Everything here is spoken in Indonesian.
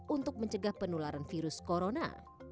untuk mencegah penularan virus corona